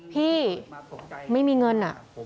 พี่ไม่มีเงิน